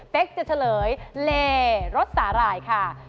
จะเฉลยเลรถสาหร่ายค่ะ